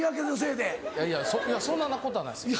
いやそんなことはないですよ